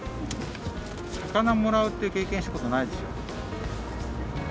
魚もらうっていう経験したことないですよ。